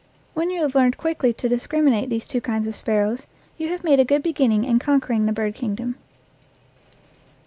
When you have learned quickly to discriminate these two kinds of sparrows, you have made a good beginning in conquering the bird kingdom.